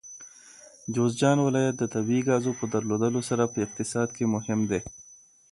جوزجان ولایت د طبیعي ګازو په درلودلو سره په اقتصاد کې مهم دی.